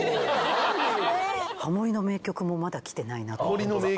ハモリの名曲もまだきてないなと思ってます。